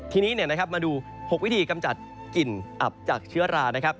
ทีนี้มาดู๖วิธีกำจัดกลิ่นอับจากเชื้อรานะครับ